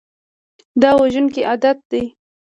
دا وژونکی عادت دی.